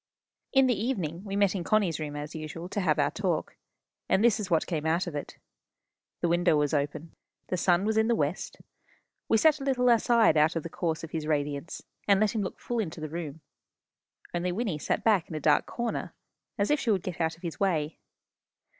In the evening we met in Connie's room, as usual, to have our talk. And this is what came out of it. The window was open. The sun was in the west. We sat a little aside out of the course of his radiance, and let him look full into the room. Only Wynnie sat back in a dark corner, as if she would get out of his way.